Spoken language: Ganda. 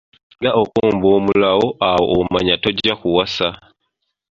Singa okomba omulawo awo omanya tojja kuwasa.